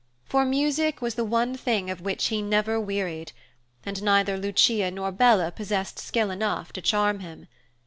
For music was the one thing of which he never wearied, and neither Lucia nor Bella possessed skill enough to charm him.